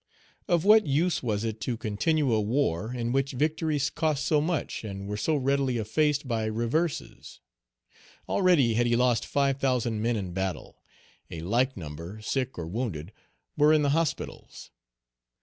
Of what use was it to continue a war in which victories cost so much and were so readily effaced by reverses? Already had he lost five thousand men in battle; a like number, sick or wounded, were in the hospitals.